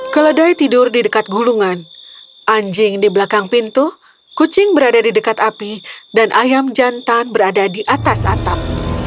keledai tidur di dekat gulungan anjing di belakang pintu kucing berada di dekat api dan ayam jantan berada di atas atap